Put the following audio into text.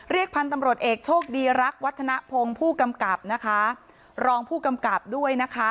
พันธุ์ตำรวจเอกโชคดีรักวัฒนภงผู้กำกับนะคะรองผู้กำกับด้วยนะคะ